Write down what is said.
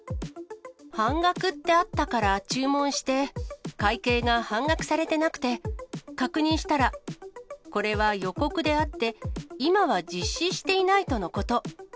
半額ってあったから注文して、会計が半額されてなくて、確認したら、これは予告であって、今は実施していないとのこと。